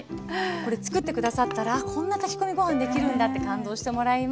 これ作って下さったらこんな炊き込みご飯できるんだって感動してもらえます。